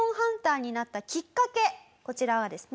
こちらはですね